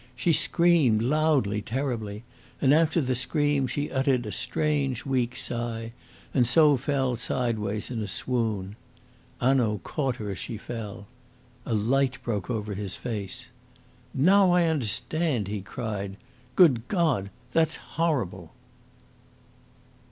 She screamed loudly, terribly; and after the scream she uttered a strange, weak sigh, and so fell sideways in a swoon. Hanaud caught her as she fell. A light broke over his face. "Now I understand!" he cried. "Good God! That's horrible."